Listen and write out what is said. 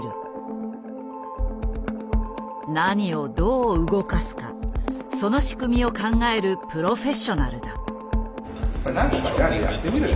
何をどう動かすかその仕組みを考えるプロフェッショナルだ。